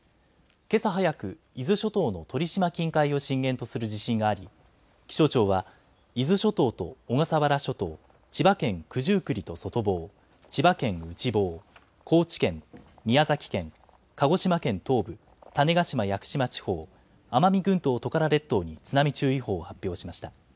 けさ早く伊豆諸島の鳥島近海を震源とする地震があり気象庁は伊豆諸島と小笠原諸島、千葉県九十九里と外房、千葉県内房、高知県、宮崎県、鹿児島県東部、種子島・屋久島地方、奄美群島・トカラ列島に津波注意報を発表しました。